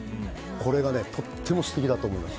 これがとっても素敵だと思います。